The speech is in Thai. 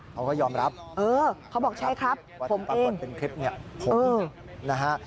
เขาก็ยอมรับเขาบอกใช่ครับผมเอง